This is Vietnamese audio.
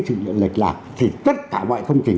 sự dưỡng lệch lạc thì tất cả mọi thông trình